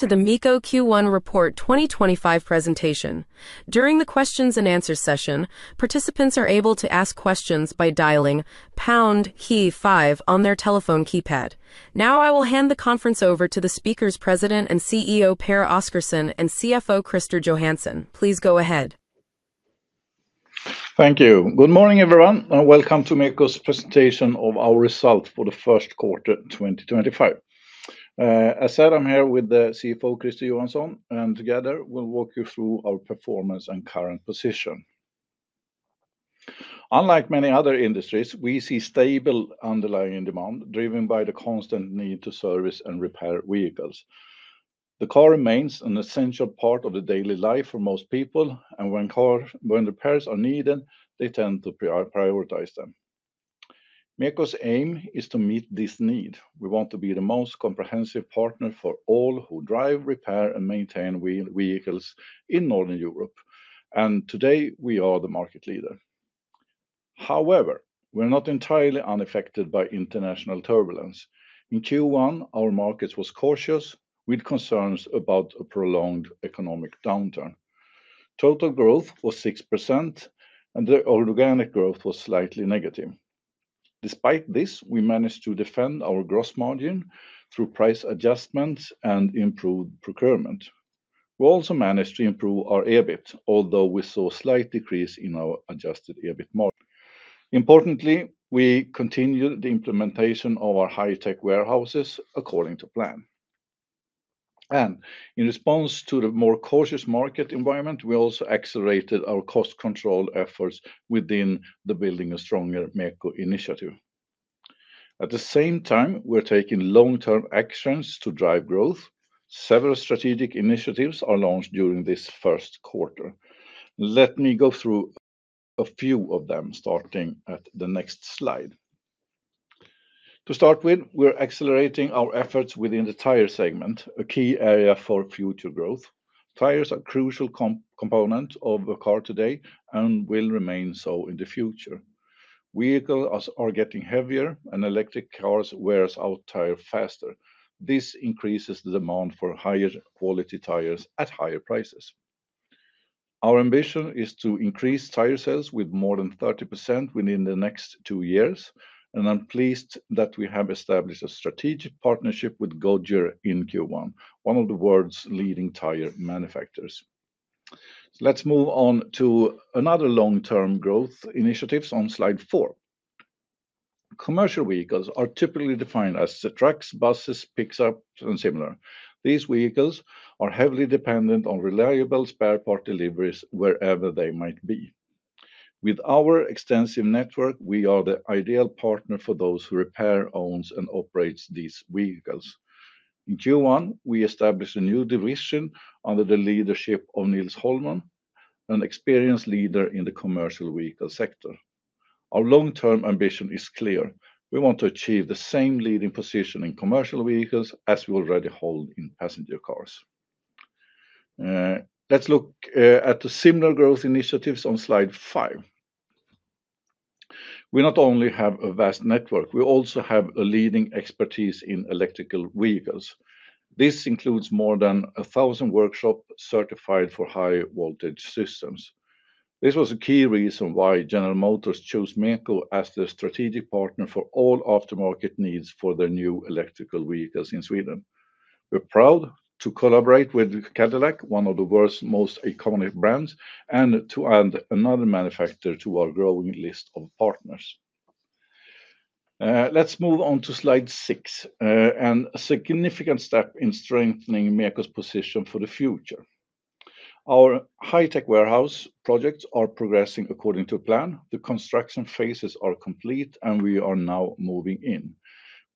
To the MEKO Q1 Report 2025 presentation. During the Q&A session, participants are able to ask questions by dialing pound key 5 on their telephone keypad. Now, I will hand the conference over to the Speakers President and CEO, Pehr Oscarson, and CFO, Christer Johansson. Please go ahead. Thank you. Good morning, everyone, and welcome to MEKO's presentation of our results for first quarter 2025. As said, I'm here with the CFO, Christer Johansson, and together, we'll walk you through our performance and current position. Unlike many other industries, we see stable underlying demand, driven by the constant need to service and repair vehicles. The car remains an essential part of daily life for most people, and when car repairs are needed, they tend to prioritize them. MEKO's aim is to meet this need. We want to be the most comprehensive partner for all who drive, repair, and maintain vehicles in Northern Europe, and today, we are the market leader. However, we're not entirely unaffected by international turbulence. In Q1, our market was cautious, with concerns about a prolonged economic downturn. Total growth was 6%, and the organic growth was slightly negative. Despite this, we managed to defend our gross margin through price adjustments and improved procurement. We also managed to improve our EBIT, although we saw a slight decrease in our Adjusted EBIT margin. Importantly, we continued the implementation of our high-tech warehouses according to plan. In response to the more cautious market environment, we also accelerated our cost control efforts within the Building a Stronger MEKO initiative. At the same time, we're taking long-term actions to drive growth. Several strategic initiatives are launched during this first quarter. Let me go through a few of them, starting at the next slide. To start with, we're accelerating our efforts within the tire segment, a key area for future growth. Tires are a crucial component of the car today and will remain so in the future. Vehicles are getting heavier, and electric cars wear out tires faster. This increases the demand for higher-quality tires at higher prices. Our ambition is to increase tire sales by more than 30% within the next two years, and I'm pleased that we have established a strategic partnership with Goodyear in Q1, one of the world's leading tire manufacturers. Let's move on to another long-term growth initiative on slide 4. Commercial vehicles are typically defined as trucks, buses, pickups, and similar. These vehicles are heavily dependent on reliable spare part deliveries wherever they might be. With our extensive network, we are the ideal partner for those who repair, own, and operate these vehicles. In Q1, we established a new division under the leadership of Nils Hollmann, an experienced leader in the commercial vehicle sector. Our long-term ambition is clear: we want to achieve the same leading position in commercial vehicles as we already hold in passenger cars. Let's look at the similar growth initiatives on slide 5. We not only have a vast network, we also have a leading expertise in electric vehicles. This includes more than 1,000 workshops certified for high-voltage systems. This was a key reason why General Motors chose MEKO as their strategic partner for all aftermarket needs for their new electric vehicles in Sweden. We're proud to collaborate with Cadillac, one of the world's most iconic brands, and to add another manufacturer to our growing list of partners. Let's move on to slide 6, a significant step in strengthening MEKO's position for the future. Our high-tech warehouse projects are progressing according to plan. The construction phases are complete, and we are now moving in.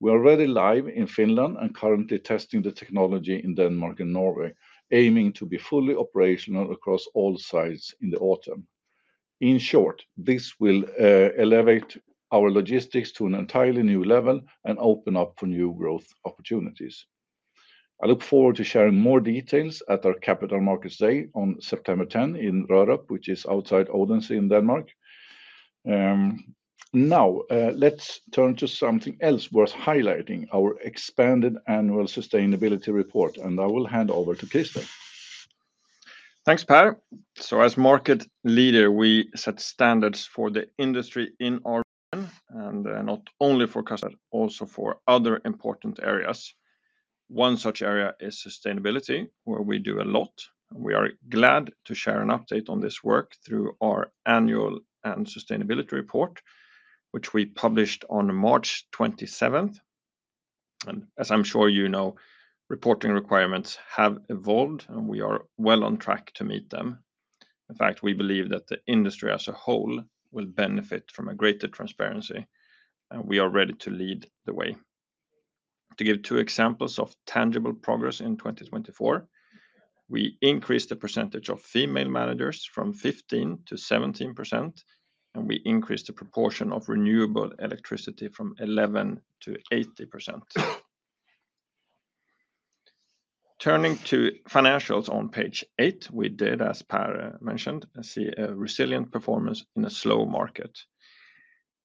We're already live in Finland and currently testing the technology in Denmark and Norway, aiming to be fully operational across all sites in the autumn. In short, this will elevate our logistics to an entirely new level and open up for new growth opportunities. I look forward to sharing more details at our Capital Markets Day on September 10 in Rårop, which is outside Odense in Denmark. Now, let's turn to something else worth highlighting: our expanded annual sustainability report, and I will hand over to Christer. Thanks, Pehr. As market leader, we set standards for the industry in our region, and not only for customers, but also for other important areas. One such area is sustainability, where we do a lot. We are glad to share an update on this work through our annual sustainability report, which we published on March 27th. As I'm sure you know, reporting requirements have evolved, and we are well on track to meet them. In fact, we believe that the industry as a whole will benefit from greater transparency, and we are ready to lead the way. To give two examples of tangible progress in 2024, we increased the percentage of female managers from 15% to 17%, and we increased the proportion of renewable electricity from 11% to 80%. Turning to financials on page 8, we did, as Pehr mentioned, see a resilient performance in a slow market.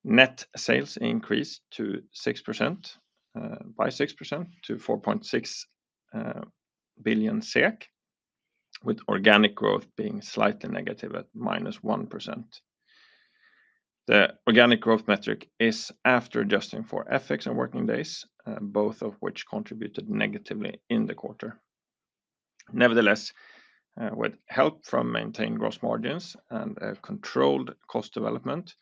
Net sales increased by 6% to 4.6 billion SEK, with organic growth being slightly negative at -1%. The organic growth metric is after adjusting for FX and working days, both of which contributed negatively in the quarter. Nevertheless, with help from maintained gross margins and controlled cost development,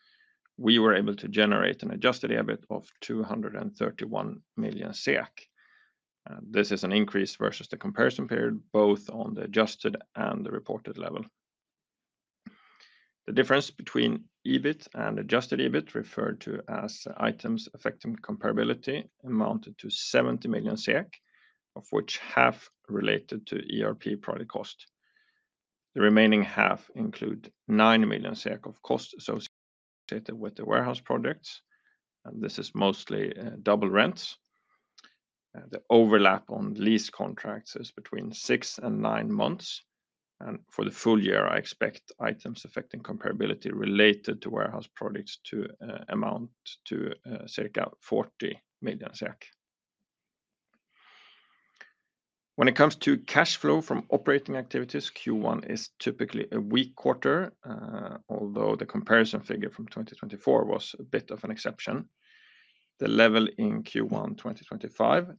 we were able to generate an Adjusted EBIT of 231 million SEK. This is an increase versus the comparison period, both on the adjusted and the reported level. The difference between EBIT and Adjusted EBIT, referred to as items affecting comparability, amounted to 70 million, of which half related to ERP product cost. The remaining half includes 9 million SEK of cost associated with the warehouse projects, and this is mostly double rents. The overlap on lease contracts is between six and nine months, and for the full year, I expect items affecting comparability related to warehouse projects to amount to SEK 40 million. When it comes to cash flow from operating activities, Q1 is typically a weak quarter, although the comparison figure from 2024 was a bit of an exception. The level in Q1 2025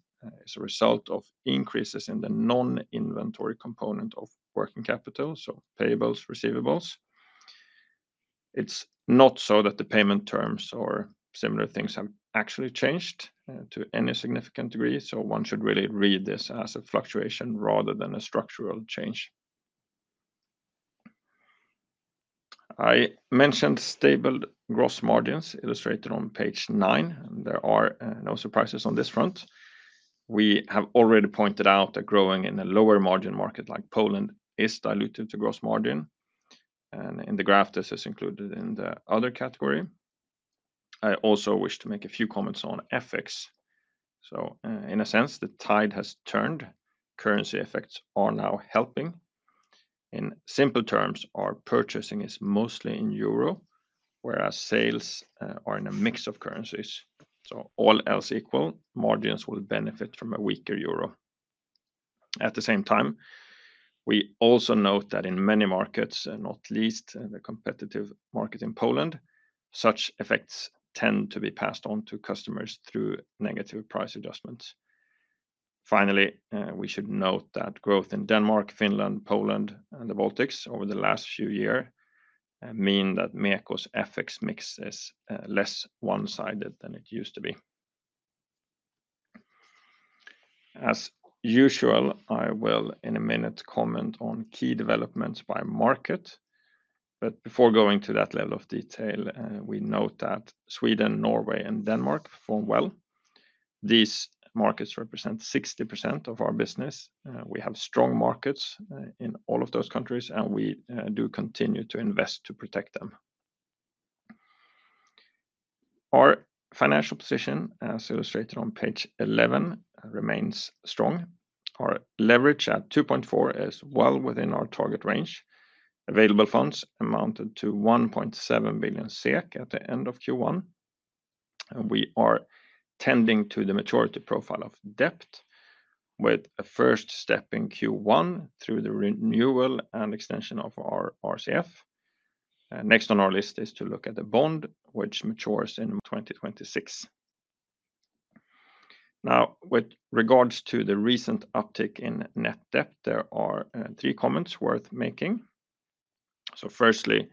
is a result of increases in the non-inventory component of working capital, so payables, receivables. It's not so that the payment terms or similar things have actually changed to any significant degree, so one should really read this as a fluctuation rather than a structural change. I mentioned stable gross margins illustrated on page 9, and there are no surprises on this front. We have already pointed out that growing in a lower-margin market like Poland is diluted to gross margin, and in the graph, this is included in the other category. I also wish to make a few comments on FX. In a sense, the tide has turned. Currency effects are now helping. In simple terms, our purchasing is mostly in euro, whereas sales are in a mix of currencies. All else equal, margins will benefit from a weaker euro. At the same time, we also note that in many markets, and not least the competitive market in Poland, such effects tend to be passed on to customers through negative price adjustments. Finally, we should note that growth in Denmark, Finland, Poland, and the Baltics over the last few years means that MEKO's FX mix is less one-sided than it used to be. As usual, I will, in a minute, comment on key developments by market. Before going to that level of detail, we note that Sweden, Norway, and Denmark perform well. These markets represent 60% of our business. We have strong markets in all of those countries, and we do continue to invest to protect them. Our financial position, as illustrated on page 11, remains strong. Our leverage at 2.4 is well within our target range. Available funds amounted to 1.7 billion SEK at the end of Q1. We are tending to the maturity profile of debt, with a first step in Q1 through the renewal and extension of our RCF. Next on our list is to look at the bond, which matures in 2026. Now, with regards to the recent uptick in net debt, there are three comments worth making. Firstly,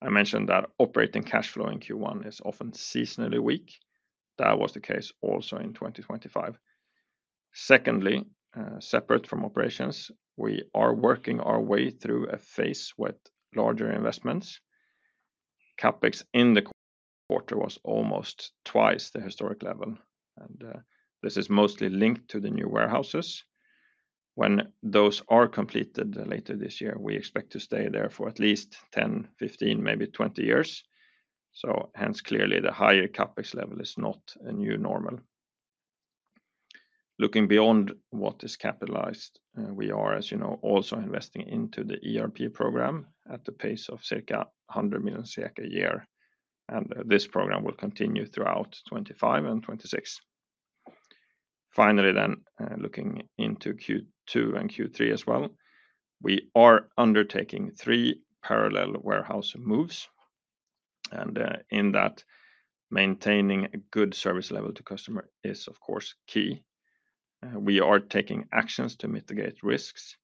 I mentioned that operating cash flow in Q1 is often seasonally weak. That was the case also in 2025. Secondly, separate from operations, we are working our way through a phase with larger investments. CapEx in the quarter was almost twice the historic level, and this is mostly linked to the new warehouses. When those are completed later this year, we expect to stay there for at least 10, 15, maybe 20 years. Hence, clearly, the higher CapEx level is not a new normal. Looking beyond what is capitalized, we are, as you know, also investing into the ERP program at the pace of circa 100 million a year, and this program will continue throughout 2025 and 2026. Finally, then, looking into Q2 and Q3 as well, we are undertaking three parallel warehouse moves, and in that, maintaining a good service level to customers is, of course, key. We are taking actions to mitigate risks,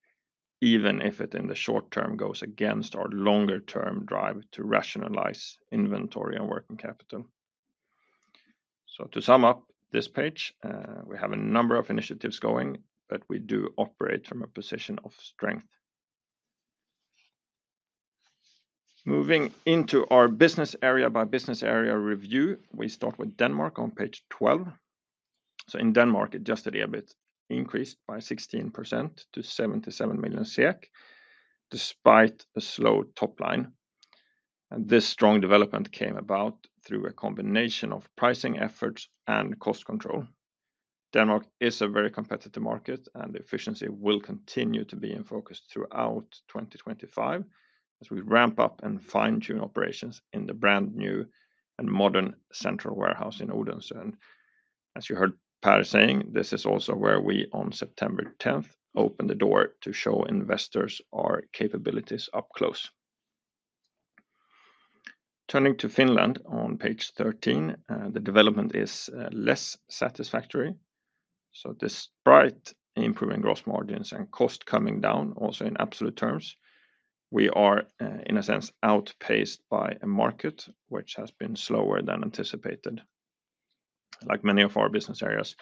even if it in the short term goes against our longer-term drive to rationalize inventory and working capital. To sum up this page, we have a number of initiatives going, but we do operate from a position of strength. Moving into our business area by business area review, we start with Denmark on page 12. In Denmark, Adjusted EBIT increased by 16% to 77 million SEK, despite a slow top line. This strong development came about through a combination of pricing efforts and cost control. Denmark is a very competitive market, and the efficiency will continue to be in focus throughout 2025 as we ramp up and fine-tune operations in the brand new and modern central warehouse in Odense. As you heard Pehr saying, this is also where we, on September 10th, open the door to show investors our capabilities up close. Turning to Finland on page 13, the development is less satisfactory. Despite improving gross margins and cost coming down, also in absolute terms, we are, in a sense, outpaced by a market which has been slower than anticipated. Like many of our business areas,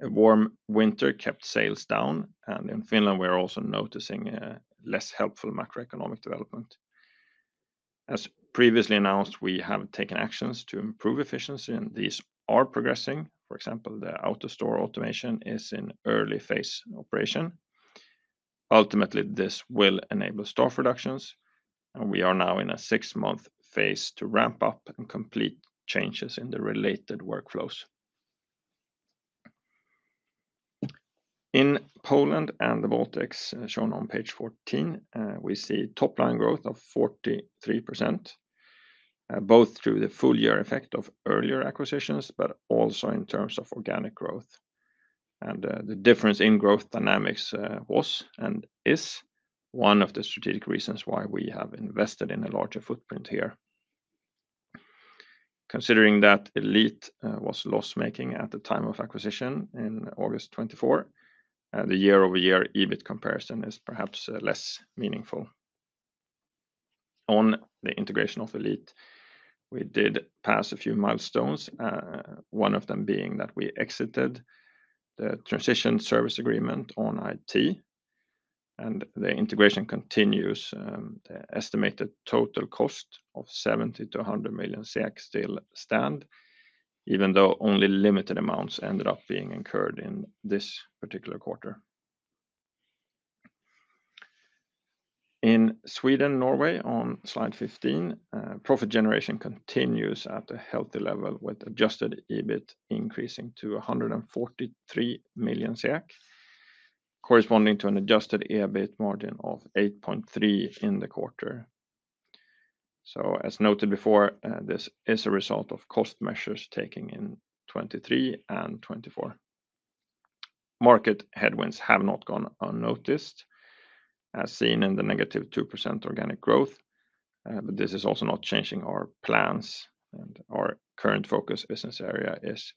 a warm winter kept sales down, and in Finland, we are also noticing less helpful macroeconomic development. As previously announced, we have taken actions to improve efficiency, and these are progressing. For example, the outer store automation is in early phase operation. Ultimately, this will enable staff reductions, and we are now in a six-month phase to ramp up and complete changes in the related workflows. In Poland and the Baltics, shown on page 14, we see top line growth of 43%, both through the full year effect of earlier acquisitions, but also in terms of organic growth. The difference in growth dynamics was and is one of the strategic reasons why we have invested in a larger footprint here. Considering that Elit was loss-making at the time of acquisition in August 2024, the year-over-year EBIT comparison is perhaps less meaningful. On the integration of Elit we did pass a few milestones, one of them being that we exited the transition service agreement on IT, and the integration continues. The estimated total cost of 70 million-100 million still stands, even though only limited amounts ended up being incurred in this particular quarter. In Sweden and Norway, on slide 15, profit generation continues at a healthy level, with Adjusted EBIT increasing to 143 million, corresponding to an Adjusted EBIT margin of 8.3% in the quarter. As noted before, this is a result of cost measures taken in 2023 and 2024. Market headwinds have not gone unnoticed, as seen in the -2% organic growth, but this is also not changing our plans, and our current focus business area is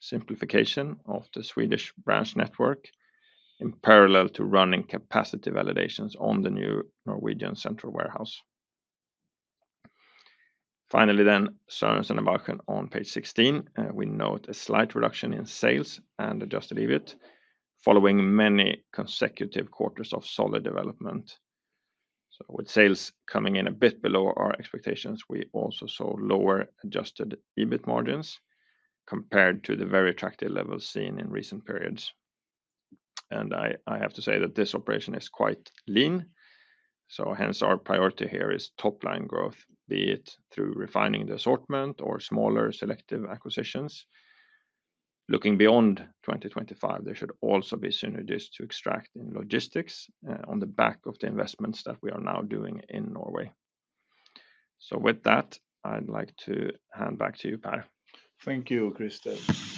simplification of the Swedish branch network in parallel to running capacity validations on the new Norwegian central warehouse. Finally, Sørensen og Balchen on page 16, we note a slight reduction in sales and Adjusted EBIT following many consecutive quarters of solid development. With sales coming in a bit below our expectations, we also saw lower Adjusted EBIT margins compared to the very attractive levels seen in recent periods. I have to say that this operation is quite lean, so hence our priority here is top line growth, be it through refining the assortment or smaller selective acquisitions. Looking beyond 2025, there should also be synergies to extract in logistics on the back of the investments that we are now doing in Norway. With that, I'd like to hand back to you, Pehr. Thank you, Christer.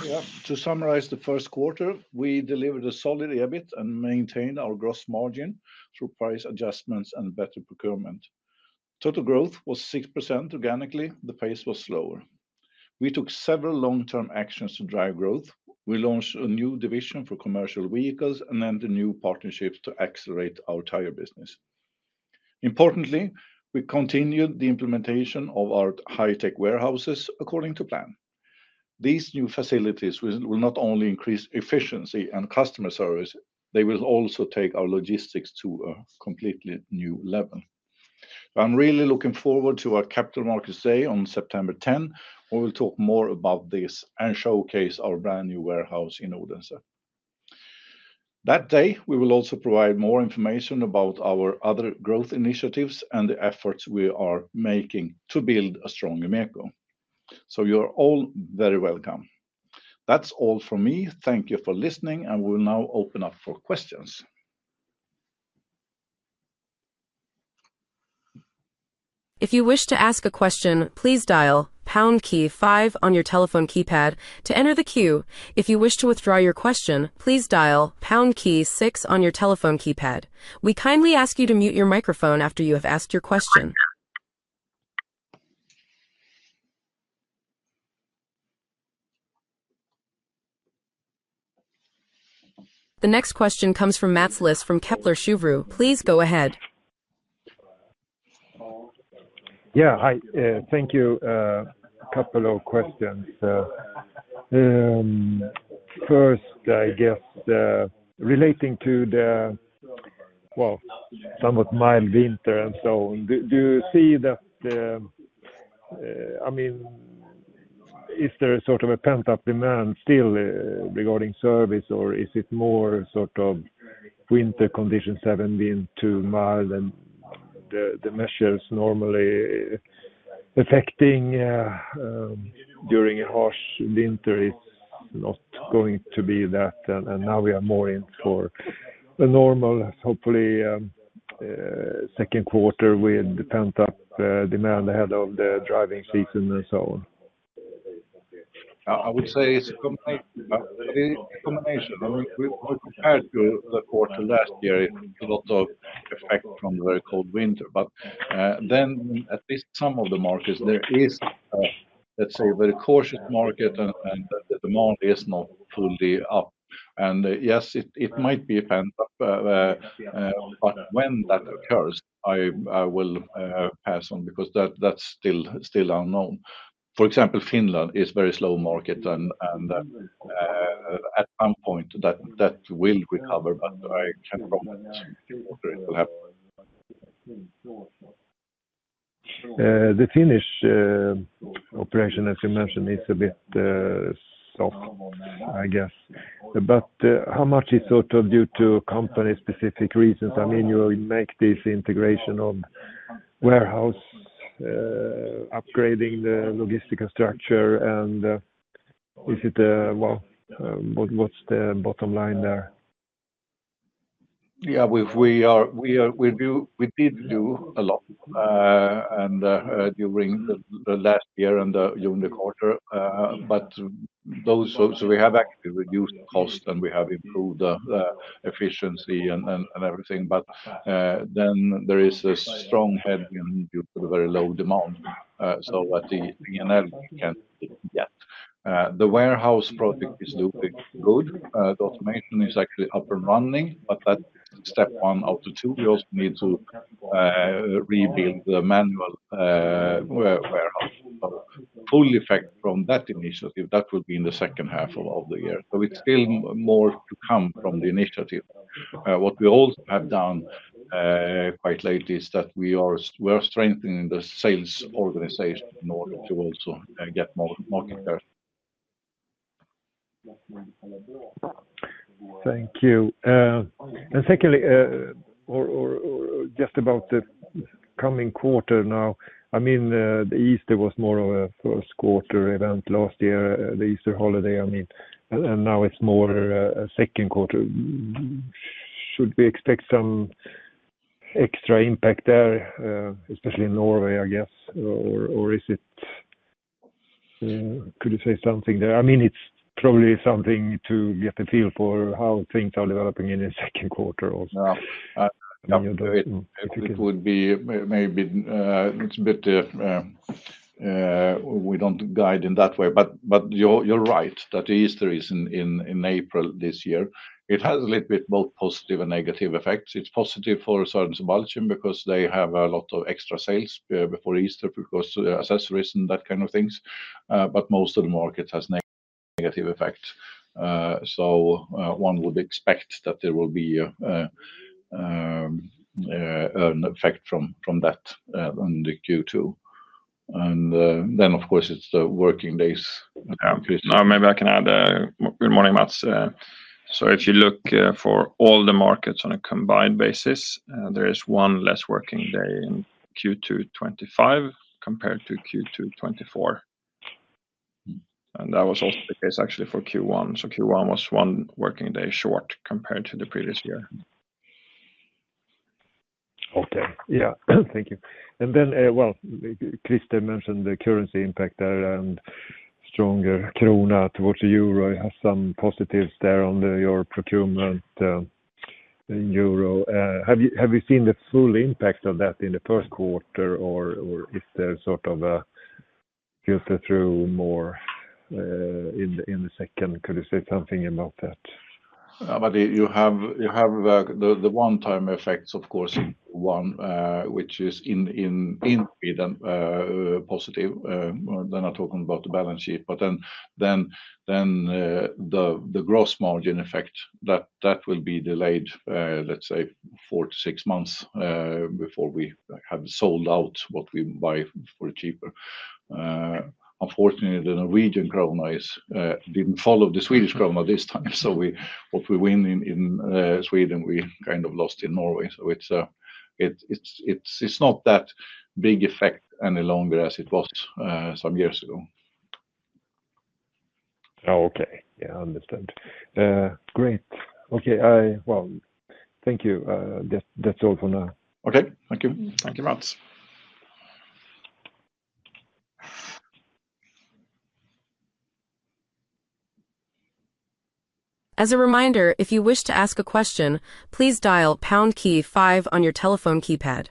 Yeah, to summarize the first quarter, we delivered a solid EBIT and maintained our gross margin through price adjustments and better procurement. Total growth was 6% organically, the pace was slower. We took several long-term actions to drive growth. We launched a new division for commercial vehicles and then the new partnerships to accelerate our tire business. Importantly, we continued the implementation of our high-tech warehouses according to plan. These new facilities will not only increase efficiency and customer service, they will also take our logistics to a completely new level. I'm really looking forward to our Capital Markets Day on September 10th, where we'll talk more about this and showcase our brand new warehouse in Odense. That day, we will also provide more information about our other growth initiatives and the efforts we are making to build a stronger MEKO. You are all very welcome. That's all from me. Thank you for listening, and we will now open up for questions. If you wish to ask a question, please dial pound key five on your telephone keypad to enter the queue. If you wish to withdraw your question, please dial pound key six on your telephone keypad. We kindly ask you to mute your microphone after you have asked your question. The next question comes from Mats Liss from Kepler Cheuvreux. Please go ahead. Yeah, hi, thank you. A couple of questions. First, I guess relating to the, well, somewhat mild winter and so on, do you see that, I mean, is there sort of a pent-up demand still regarding service, or is it more sort of winter conditions have been too mild, and the measures normally affecting during a harsh winter are not going to be that, and now we are more in for a normal, hopefully, second quarter with pent-up demand ahead of the driving season and so on? I would say it's a combination. We compared to the quarter last year, it's a lot of effect from the very cold winter, but at least some of the markets, there is, let's say, a very cautious market, and the demand is not fully up. Yes, it might be pent-up, but when that occurs, I will pass on because that's still unknown. For example, Finland is a very slow market, and at some point that will recover, but I can't promise whether it will happen. The Finnish operation, as you mentioned, is a bit soft, I guess. How much is sort of due to company-specific reasons? I mean, you make this integration of warehouse, upgrading the logistical structure, and is it, what's the bottom line there? Yeah, we did do a lot during the last year and during the quarter, but those, so we have actually reduced costs and we have improved the efficiency and everything, but there is a strong headwind due to the very low demand. At the end, we can't get it yet. The warehouse project is looking good. The automation is actually up and running, but that is step one out of two. We also need to rebuild the manual warehouse. Full effect from that initiative, that will be in the second half of the year. It is still more to come from the initiative. What we also have done quite lately is that we are strengthening the sales organization in order to also get more market share. Thank you. And secondly, just about the coming quarter now, I mean, the Easter was more of a first quarter event last year, the Easter holiday, I mean, and now it's more a second quarter. Should we expect some extra impact there, especially in Norway, I guess, or is it, could you say something there? I mean, it's probably something to get a feel for how things are developing in the second quarter also. Yeah, I think it would be maybe it's a bit we don't guide in that way, but you're right that the Easter is in April this year. It has a little bit both positive and negative effects. It's positive for Sørensen og Balchen because they have a lot of extra sales before Easter because accessories and that kind of things, but most of the market has negative effects. One would expect that there will be an effect from that in the Q2. Of course, it's the working days. Yeah, maybe I can add, good morning, Mats. If you look for all the markets on a combined basis, there is one less working day in Q2 2025 compared to Q2 2024. That was also the case actually for Q1. Q1 was one working day short compared to the previous year. Okay, yeah, thank you. Christer mentioned the currency impact there and stronger krona towards the euro. You have some positives there on your procurement in euro. Have you seen the full impact of that in the first quarter, or is there sort of a filter through more in the second? Could you say something about that? Yeah, but you have the one-time effects, of course, in Q1, which is in Sweden positive. Then I'm talking about the balance sheet, but then the gross margin effect, that will be delayed, let's say, four to six months before we have sold out what we buy for cheaper. Unfortunately, the Norwegian krona did not follow the Swedish krona this time, so what we win in Sweden, we kind of lost in Norway. So it's not that big effect any longer as it was some years ago. Oh, okay. Yeah, understood. Great. Okay, thank you. That's all for now. Okay, thank you. Thank you, Mats. As a reminder, if you wish to ask a question, please dial pound key five on your telephone keypad.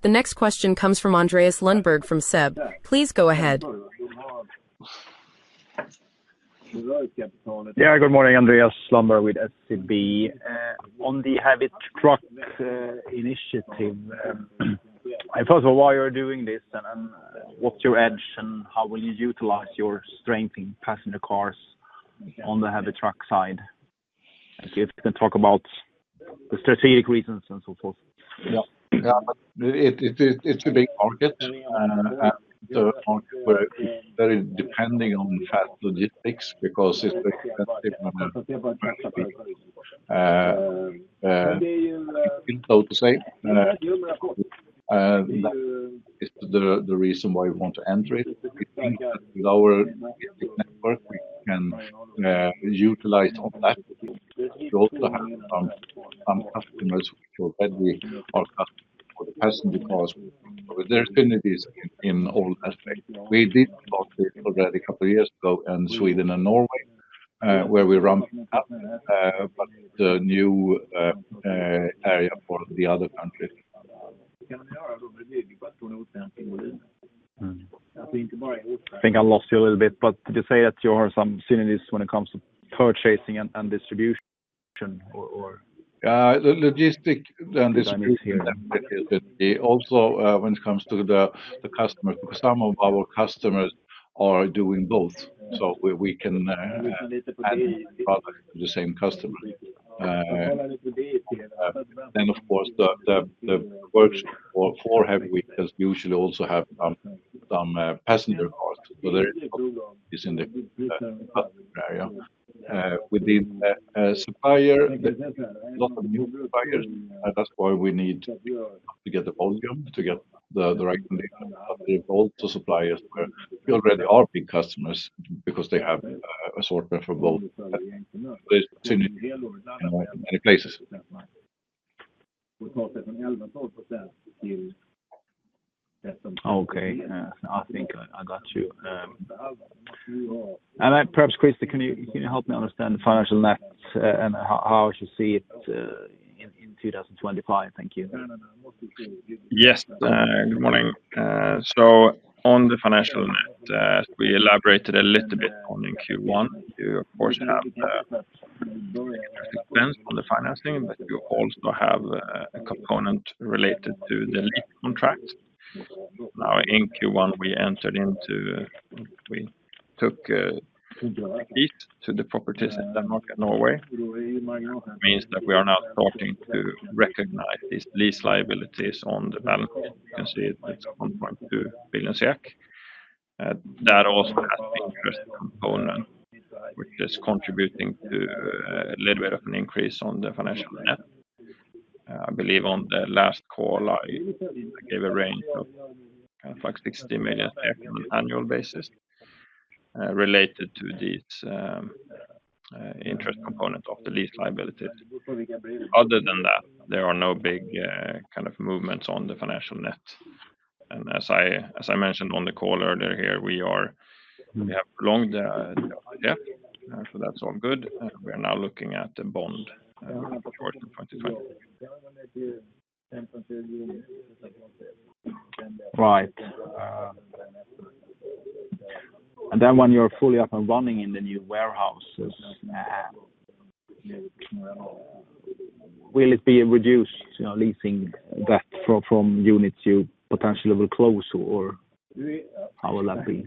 The next question comes from Andreas Lundberg from SEB. Please go ahead. Yeah, good morning, Andreas Lundberg with SEB. On the heavy truck initiative, first of all, why are you doing this, and what's your edge, and how will you utilize your strength in passenger cars on the heavy truck side? If you can talk about the strategic reasons and so forth. Yeah, it's a big market. The market is very depending on fast logistics because it's expensive and it's so to say. It's the reason why we want to enter it. I think with our logistics network, we can utilize all that. We also have some customers who are ready for the passenger cars. There are affinities in all aspects. We did lots of this already a couple of years ago in Sweden and Norway, where we ramped up, but the new area for the other countries. I think I lost you a little bit, but did you say that you are some synergies when it comes to purchasing and distribution? Yeah, logistics and distribution. Also, when it comes to the customers, because some of our customers are doing both, we can add products to the same customer. Of course, the workshop for heavy-duty does usually also have some passenger cars, so there is in the customer area. Within supplier, a lot of new suppliers, that's why we need to get the volume to get the right condition, but there are also suppliers where we already are big customers because they have a short run for both. There is synergy in many places. Okay, I think I got you. Perhaps, Christer, can you help me understand the financial net and how you see it in 2025? Thank you. Yes, good morning. On the financial net, we elaborated a little bit on in Q1. You, of course, have the expense on the financing, but you also have a component related to the lease contract. In Q1, we entered into, we took a lease to the properties in Denmark and Norway. That means that we are now starting to recognize these lease liabilities on the balance sheet. You can see it is 1.2 billion. That also has an interest component, which is contributing to a little bit of an increase on the financial net. I believe on the last call, I gave a range of kind of like 60 million on an annual basis related to these interest components of the lease liabilities. Other than that, there are no big kind of movements on the financial net. As I mentioned on the call earlier here, we have longed the ETF, so that's all good. We are now looking at the bond short in 2020. Right. When you're fully up and running in the new warehouses, will it be a reduced leasing from units you potentially will close, or how will that be?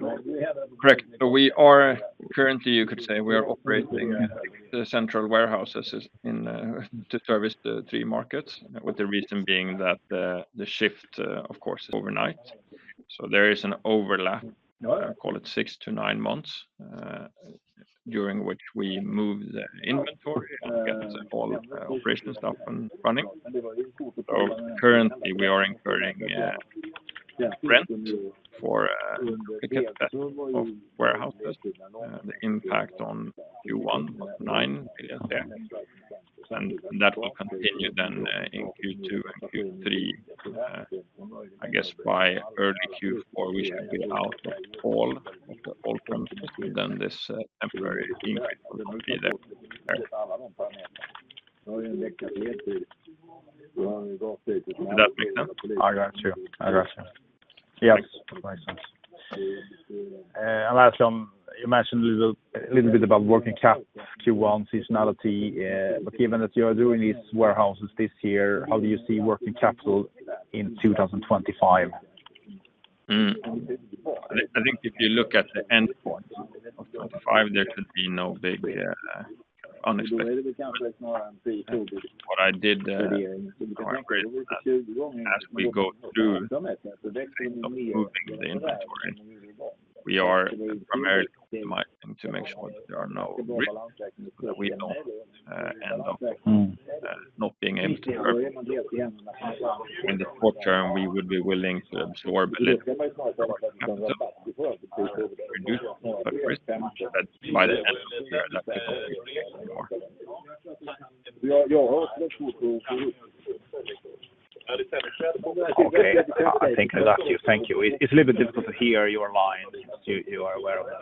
Correct. We are currently, you could say, we are operating the central warehouses to service the three markets, with the reason being that the shift, of course, overnight. There is an overlap, I call it six to nine months, during which we move the inventory and get all operations up and running. Currently, we are incurring rent for the warehouses. The impact on Q1 was 9 million, and that will continue in Q2 and Q3. I guess by early Q4, we should be out of all of the bonds, and then this temporary increase will be there. Does that make sense? I got you. I got you. Yes, that makes sense. You mentioned a little bit about working capital. Q1 seasonality, but given that you are doing these warehouses this year, how do you see working capital in 2025? I think if you look at the endpoint of 2025, there could be no big unexpected things. What I did as we go through the moving of the inventory, we are primarily optimizing to make sure that there are no risks that we know and of not being able to hurt. In the short term, we would be willing to absorb a little bit of capital to reduce some of the risk, but by the end of the year, there are not too many anymore. I think I got you. Thank you. It's a little bit difficult to hear your line, since you are aware of that.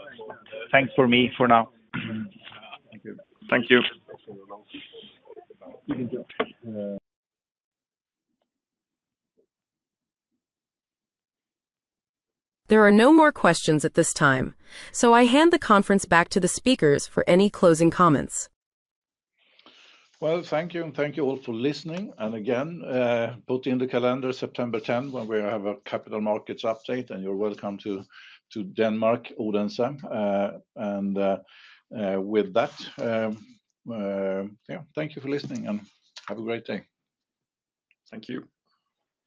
Thanks from me for now. Thank you. Thank you. There are no more questions at this time, so I hand the conference back to the speakers for any closing comments. Thank you, and thank you all for listening. Again, put in the calendar September 10th when we have a capital markets update, and you are welcome to Denmark, Odense. With that, thank you for listening, and have a great day. Thank you.